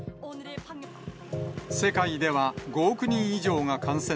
世界では５億人以上が感染。